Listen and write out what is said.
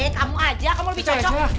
kamu aja kamu lebih cocok